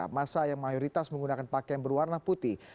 masa yang mayoritas menggunakan pakaian berwarna putih